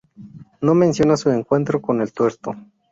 No menciona su encuentro con el tuerto.